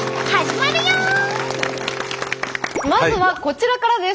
まずはこちらからです。